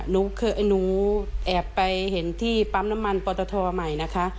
หนูแอบไปเห็นที่ปั๊มน้ำมันปอตทเมินนะคะ